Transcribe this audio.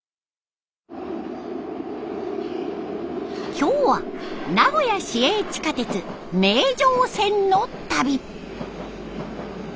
今日は名古屋市営地下鉄名城線の旅。